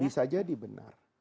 bisa jadi benar